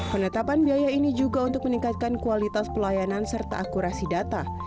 penetapan biaya ini juga untuk meningkatkan kualitas pelayanan serta akurasi data